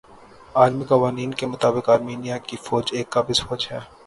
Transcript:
عالمی قوانین کے مطابق آرمینیا کی فوج ایک قابض فوج ھے